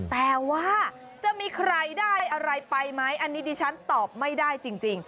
แต่ว่าจะมีใครได้อะไรไปไหมอันนี้ดิฉันตอบไม่ได้จริง